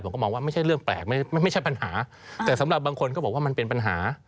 มองว่าไม่ใช่เรื่องแปลกไม่ใช่ปัญหาแต่สำหรับบางคนก็บอกว่ามันเป็นปัญหา